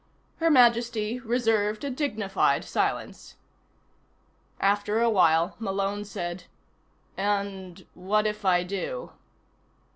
Her Majesty reserved a dignified silence. After a while Malone said: "And what if I do?"